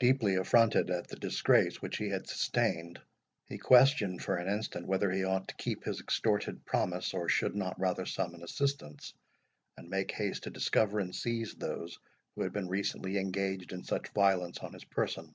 Deeply affronted at the disgrace which he had sustained, he questioned for an instant whether he ought to keep his extorted promise, or should not rather summon assistance, and make haste to discover and seize those who had been recently engaged in such violence on his person.